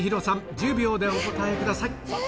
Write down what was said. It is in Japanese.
１０秒でお答えくださいえ？